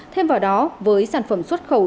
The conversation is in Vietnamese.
thêm vào đó với sản phẩm xuất khẩu